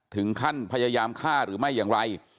ถึงขั้นพยายามฆ่าหรือไม่อย่างไร